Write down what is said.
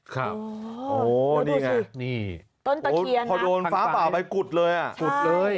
โหนี่ไงต้นตะเคียนพอโดนฟ้าป่าไปกุดเลย